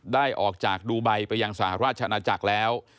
ได้ออกจากดูไบไปยังสหราชอาณาจักรแล้ว